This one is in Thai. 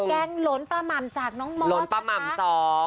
แกงหลนปลาหม่ำจากน้องมอมหลนปลาหม่ำสอง